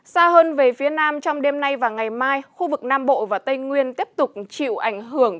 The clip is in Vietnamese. xa hơn về phía nam trong đêm nay và ngày mai khu vực nam bộ và tây nguyên tiếp tục chịu ảnh hưởng